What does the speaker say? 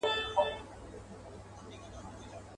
بو ډا تللی دی پر لار د پخوانیو.